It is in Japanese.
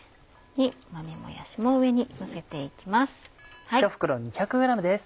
豆もやしも上にのせて行きます。